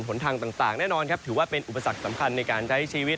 หนทางต่างแน่นอนครับถือว่าเป็นอุปสรรคสำคัญในการใช้ชีวิต